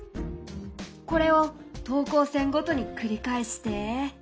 これを等高線ごとに繰り返して。